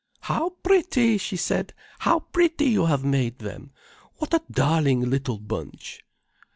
"How pretty!" she said. "How pretty you have made them! What a darling little bunch."